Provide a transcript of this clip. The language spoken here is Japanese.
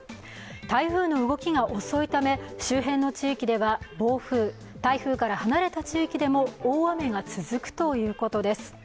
台風の動きが遅いため周辺の地域では暴風、台風から離れた地域でも、大雨が続くということです。